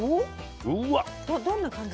どんな感じなの？